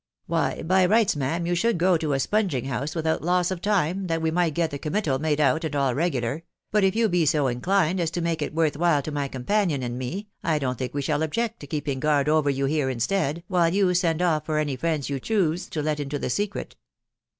" Why, by rights, ma'am, you should go to a sponging house without loss of time, that we might get the committal made out, and all regular ; but if you be so inclined as to make it worth while to my companion and me, I don't think we shall object to keeping guard over you here instead, while you send off for any friends you chose to let into the secret."